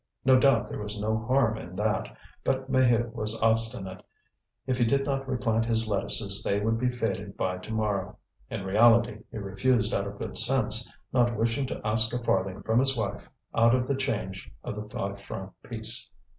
No doubt there was no harm in that, but Maheu was obstinate; if he did not replant his lettuces they would be faded by to morrow. In reality he refused out of good sense, not wishing to ask a farthing from his wife out of the change of the five franc piece.